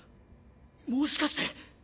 もしかして！